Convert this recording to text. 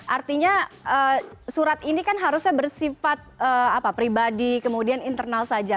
artinya surat ini kan harusnya bersifat pribadi kemudian internal saja